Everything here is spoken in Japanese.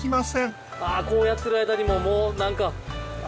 あこうやってる間にもうもう何かあ。